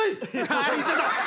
ああ言っちゃった。